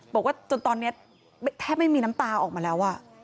บอกว่าจนตอนนี้แทบไม่มีน้ำตาออกมาแล้ว